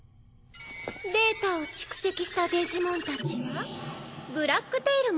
データを蓄積したデジモンたちはブラックテイルモンが回収。